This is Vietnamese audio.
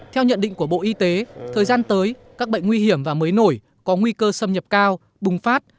theo nhận định của bộ y tế thời gian tới các bệnh nguy hiểm và mới nổi có nguy cơ xâm nhập cao bùng phát